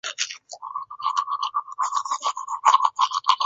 对羟基苯甲酸酯可由对羟基苯甲酸加上适当的醇的酯化反应制成。